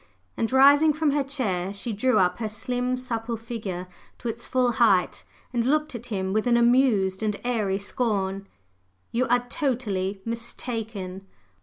And rising from her chair, she drew up her slim supple figure to its full height and looked at him with an amused and airy scorn. "You are totally mistaken!